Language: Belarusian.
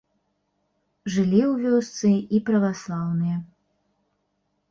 Жылі ў вёсцы і праваслаўныя.